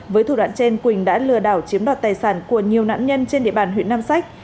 với thủ đoạn trên quỳnh đã lừa đảo chiếm đoạt tài sản của nhiều nạn nhân trên địa bàn huyện nam sách